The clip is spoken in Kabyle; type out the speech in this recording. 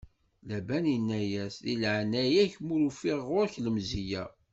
Laban inna-as: Di leɛnaya-k, ma ufiɣ ɣur-k lemzeyya.